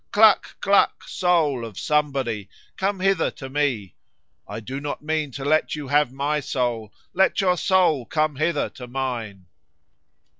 Cluck! cluck! soul of Somebody come hither to me. I do not mean to let you have my soul, Let your soul come hither to mine."